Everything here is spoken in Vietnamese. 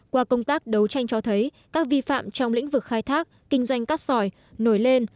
qua công tác đấu tranh cho thấy các vi phạm trong lĩnh vực khai thác kinh doanh cát sỏi nổi lên